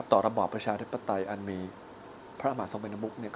ระบอบประชาธิปไตยอันมีพระมหาสมณมุก